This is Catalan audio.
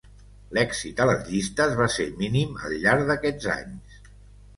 L'èxit a les llistes va ser mínim al llarg d'aquests anys.